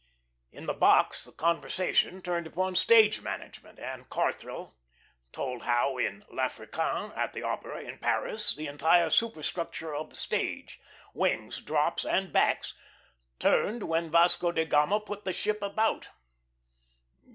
In the box the conversation turned upon stage management, and Corthell told how, in "L'Africaine," at the Opera, in Paris, the entire superstructure of the stage wings, drops, and backs turned when Vasco da Gama put the ship about.